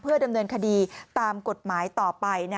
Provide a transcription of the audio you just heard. ดำเนินคดีตามกฎหมายต่อไป